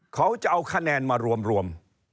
เขาจะเอาคะแนนมารวม